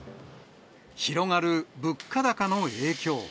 広がる物価高の影響。